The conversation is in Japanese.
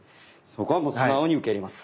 そこはもう素直に受け入れます。